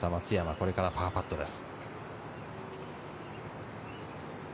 これからパーパットです。